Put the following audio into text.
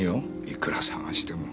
いくら探しても。